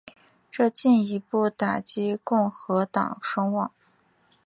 这进一步打击共和党声望。